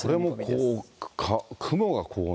これもこう、雲がこうね。